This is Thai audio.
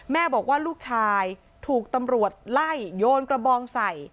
แม่บอกว่าลูกชายถูกตำรวจไล่โยนกระบองใส่